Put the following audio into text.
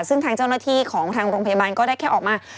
ซึ่งทางเจ้าหน้าที่ของทางโรงพยาบาลก็ได้แค่ออกมา